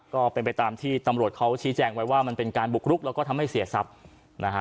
ก็เป็นไปตามที่ตำรวจเขาชี้แจงไว้ว่ามันเป็นการบุกรุกแล้วก็ทำให้เสียทรัพย์นะฮะ